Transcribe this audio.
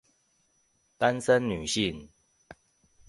單身女性